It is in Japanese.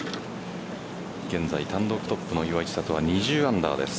現在、単独トップの岩井千怜は２０アンダーです。